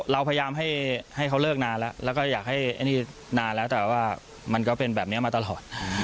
เราพยายามให้เขาเลิกนานแล้วแล้วก็อยากให้อันนี้นานแล้วแต่ว่ามันก็เป็นแบบนี้มาตลอด